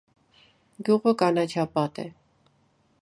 Գյուղը կանաչապատ է։